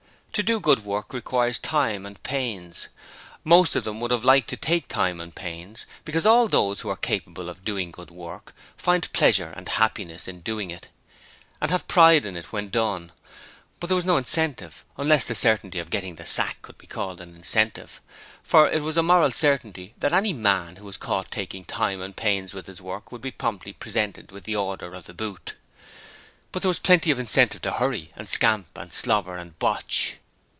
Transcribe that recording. To do good work requires time and pains. Most of them would have liked to take time and pains, because all those who are capable of doing good work find pleasure and happiness in doing it, and have pride in it when done: but there was no incentive, unless the certainty of getting the sack could be called an incentive, for it was a moral certainty that any man who was caught taking time and pains with his work would be promptly presented with the order of the boot. But there was plenty of incentive to hurry and scamp and slobber and botch.